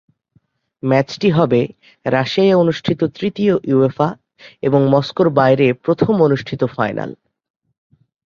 ম্যাচটি হবে রাশিয়ায় অনুষ্ঠিত তৃতীয় উয়েফা এবং মস্কোর বাইরে প্রথম অনুষ্ঠিত ফাইনাল।